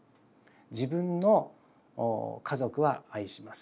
自分の家族は愛します。